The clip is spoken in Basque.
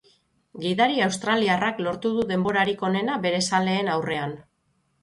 Gidari australiarrak lortu du denborarik onena bere zaleen aurrean.